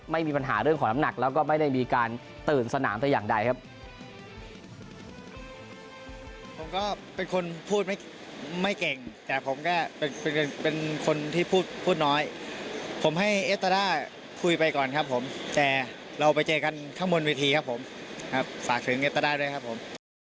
ไม่มีปัญหาเรื่องของน้ำหนักแล้วก็ไม่ได้มีการตื่นสนาม